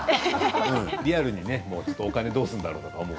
リアルでお金をどうするんだろうと。